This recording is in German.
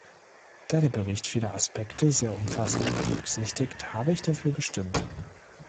Da der Bericht viele Aspekte sehr umfassend berücksichtigt, habe ich dafür gestimmt.